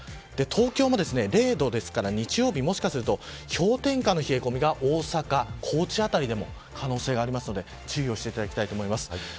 東京も０度ですから日曜日、もしかすると氷点下の冷え込みが大阪高知辺りでも可能性がありますので、注意をしていただきたいと思います。